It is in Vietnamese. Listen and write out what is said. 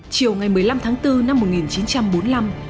chiều ngày một mươi năm tháng bốn năm một nghìn chín trăm bốn mươi năm